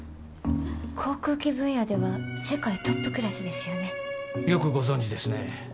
航空機分野では世界トップクラスですよね。よくご存じですね。